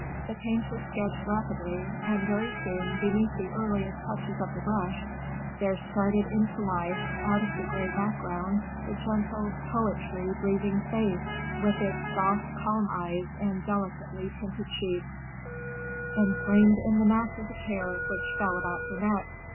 The painter sketched rapidly; and very soon, beneath the earliest touches of the brush, there started into life, out of the gray background, the gentle, poetry breathing face, with its soft calm eyes and delicately tinted cheeks, enframed in the masses of hair which fell about her neck.